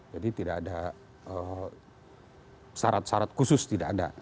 jadi tidak ada syarat syarat khusus tidak ada